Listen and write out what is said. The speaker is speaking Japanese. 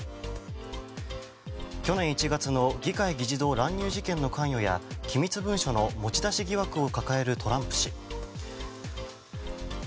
去年１月の議会議事堂乱入事件の関与や機密文書の持ち出し疑惑を抱えるトランプ氏。